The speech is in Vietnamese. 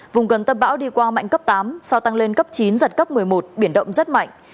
vùng gần tâm bão đi qua mạnh cấp tám sau tăng lên cấp chín giật cấp một mươi một biển động rất mạnh